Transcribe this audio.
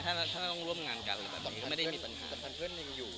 ถ้าต้องร่วมงานกันไม่ได้มีปัญหา